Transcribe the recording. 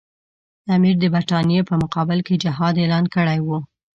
امیر د برټانیې په مقابل کې جهاد اعلان کړی وو.